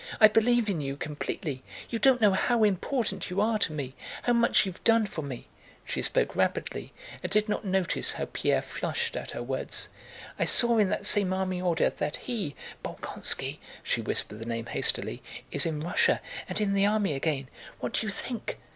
I believe in you completely. You don't know how important you are to me, how much you've done for me...." She spoke rapidly and did not notice how Pierre flushed at her words. "I saw in that same army order that he, Bolkónski" (she whispered the name hastily), "is in Russia, and in the army again. What do you think?"